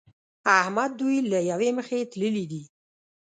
احمد دوی له يوې مخې تللي دي.